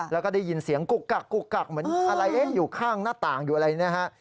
แล้วก็ได้ยินเสียงกุกกักเหมือนอะไรเอ๊ะอยู่ข้างหน้าต่างอยู่อะไรอย่างนี้